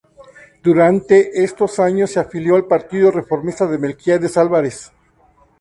Durante estos años se afilió al Partido Reformista de Melquíades Álvarez.